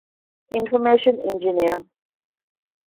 އިންފޮރމޭޝަން އިންޖިނިއަރ